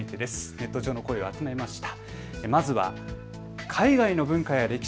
ネット上の声を集めました。